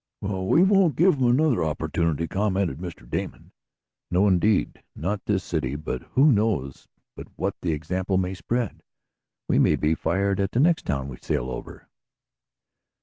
"Well, we won't give 'em another opportunity," commented Mr. Damon. "No, indeed, not this city, but who knows but what the example may spread? We may be fired at the next town we sail over."